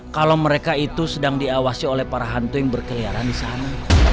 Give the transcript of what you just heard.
kalau mereka itu sedang diawasi oleh para hantu yang berkeliaran di sana